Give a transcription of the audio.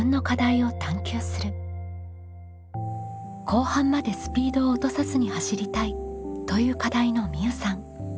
「後半までスピードを落とさずに走りたい」という課題のみうさん。